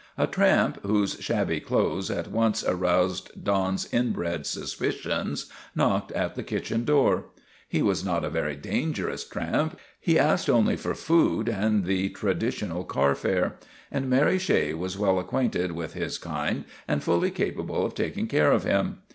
A tramp, whose shabby clothes at once aroused Don's inbred suspicions, knocked at the kitchen door. He was not a very dangerous tramp ; he asked only for food and the traditional car fare; and Mary Shea was well acquainted with his kind and fully capable of taking care of him.